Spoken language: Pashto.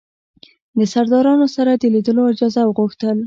د سردارانو سره د لیدلو اجازه وغوښتل.